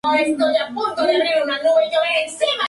Inesperadamente, surgirá un romance entre ellas.